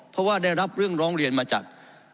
เพราะว่าได้รับเรื่องร้องเรียนมาจาก